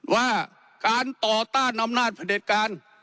ว่าการต่อต้านอำนาจพระเด็จการ